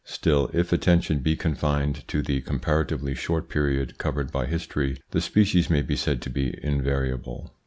Still, if attention be confined to the comparatively short period covered by history, the species may be said to be invariable.